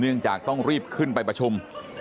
จากต้องรีบขึ้นไปประชุม